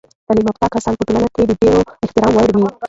تعلیم یافته کسان په ټولنه کې د ډیر احترام وړ وي.